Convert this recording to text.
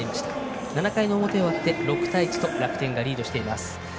７回の表、終わって、６対１と楽天がリードしています。